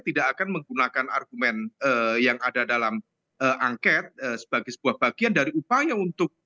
tidak akan menggunakan argumen yang ada dalam angket sebagai sebuah bagian dari upaya untuk